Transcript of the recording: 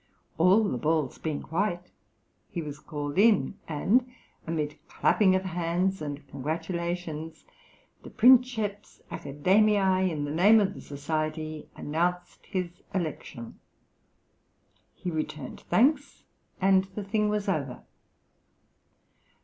All the balls being white he was called in, and amid clapping of hands and congratulations the Princeps Academiæ in the name of the society announced his election. He returned thanks, and the thing was over.